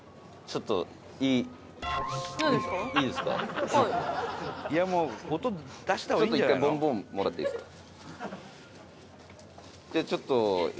「ちょっと一回ボンボンもらっていいですか？」